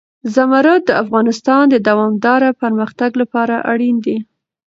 زمرد د افغانستان د دوامداره پرمختګ لپاره اړین دي.